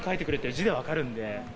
字で分かるんで。